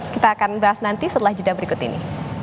kita akan bahas nanti setelah jeda berikut ini